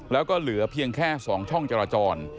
แล้วก็เหลือเพียงแค่๒ช่องจราจร